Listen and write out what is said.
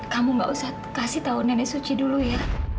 kamu gak usah kasih tahu nenek suci dulu ya